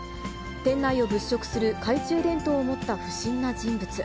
店内を物色する懐中電灯を持った不審な人物。